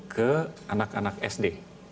ke anak anak sd